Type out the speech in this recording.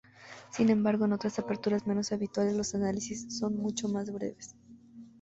Sin embargo, en otras aperturas menos habituales los análisis son mucho más breves.